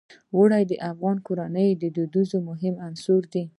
اوړي د افغان کورنیو د دودونو مهم عنصر دی.